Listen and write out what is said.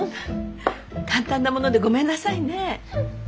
簡単なものでごめんなさいね。